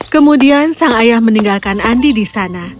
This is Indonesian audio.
kemudian sang ayah meninggalkan andi di sana